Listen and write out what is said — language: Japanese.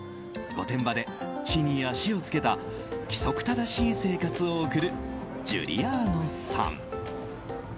御殿場で地に足をつけた規則正しい生活を送るジュリアーノさん。